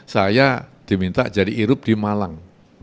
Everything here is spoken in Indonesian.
saya diminta jadi irup di malang